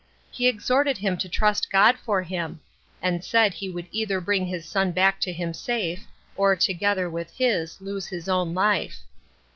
He exhorted him to trust God for him; and said he would either bring his son back to him safe, or, together with his, lose his own life."